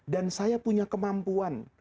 dan saya punya kemampuan